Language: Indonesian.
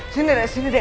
sini deh sini deh